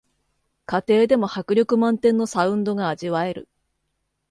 家庭でも迫力満点のサウンドが味わえる